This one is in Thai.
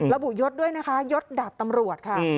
ระบุยศด้วยยศดาบตำรวจค่ะ